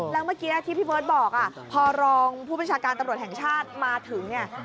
แล้วเมื่อกี้ที่พี่เบิร์ตบอกพอรองผู้บัญชาการตำรวจแห่งชาติมาถึงเนี่ย